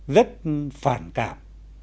rất phản cảm